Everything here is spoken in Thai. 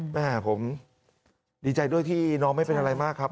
แม่ผมดีใจด้วยที่น้องไม่เป็นอะไรมากครับ